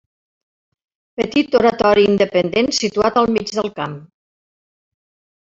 Petit oratori independent situat al mig del camp.